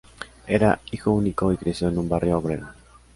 Era hijo único y creció en un barrio obrero.